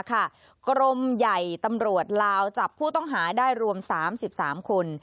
กรมใหญ่ตำรวจลาวจับผู้ต้องหาได้รวม๓๓คน